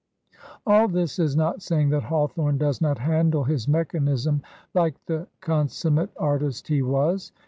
All this is not saying that Hawthorne does not handle his mechanism like the consummate artist he was.